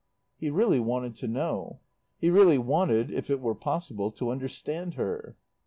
He really wanted to know. He really wanted, if it were possible, to understand her.